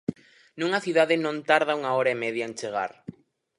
Nunha cidade non tarda unha hora e media en chegar.